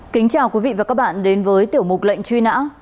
kính chào quý vị và các bạn đến với tiểu mục lệnh truy nã